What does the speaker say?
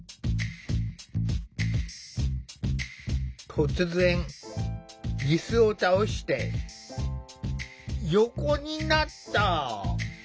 突然いすを倒して横になった。